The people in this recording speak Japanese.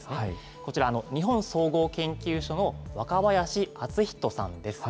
こちら、日本総合研究所の若林厚仁さんです。